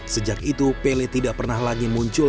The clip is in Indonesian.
sejak itu pele tidak pernah lagi muncul